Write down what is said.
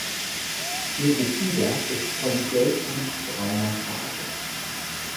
Ihr Gefieder ist von gelblich-brauner Farbe.